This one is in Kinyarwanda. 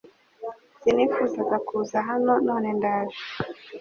Sinifuzaga kuza hano none ndaje